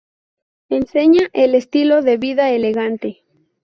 Enseña el estilo de vida elegante.